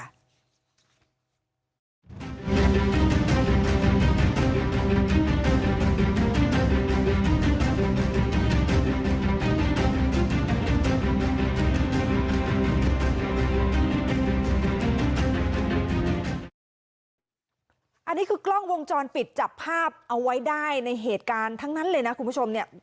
อันนี้คือกล้องวงจรปิดจับภาพเอาไว้ได้ในเหตุการณ์ทั้งนั้นเลยนะคุณผู้ชมเนี่ย